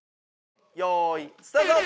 よいスタート！